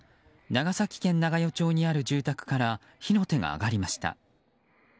長崎県長与町にある住宅から火の手が上がりました。